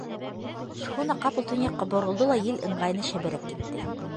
Шхуна ҡапыл төньяҡҡа боролдо ла ел ыңғайына шәберәк китте.